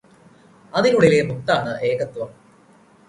അതിനുള്ളിലെ മുത്താണ് ഏകത്വം